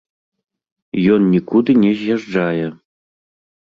Ён нікуды не з'язджае.